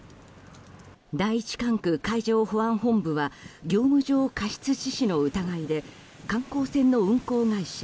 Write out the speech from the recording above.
第１管区海上保安本部は業務上過失致死の疑いで観光船の運航会社